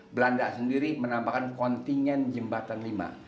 belanda sendiri menambahkan kontingen jembatan lima